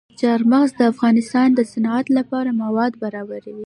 چار مغز د افغانستان د صنعت لپاره مواد برابروي.